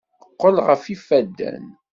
Qqel ɣef yifadden!